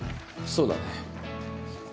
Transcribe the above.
そうだね。